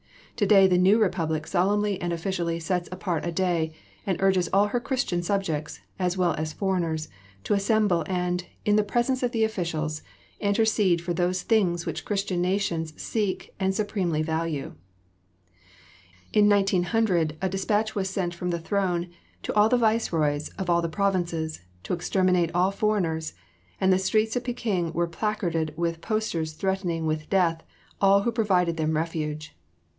Today the new Republic solemnly and officially sets apart a day and urges all her Christian subjects, as well as foreigners, to assemble and, in the presence of the officials, intercede for those things which Christian nations seek and supremely value. In 1900 a despatch was sent from the throne to all viceroys of all the provinces to exterminate all foreigners, and the streets of Peking were placarded with posters threatening with death all who provided them refuge.